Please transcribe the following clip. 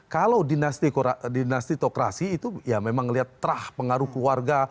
kalau dinastitokrasi itu ya memang melihat terah pengaruh keluarga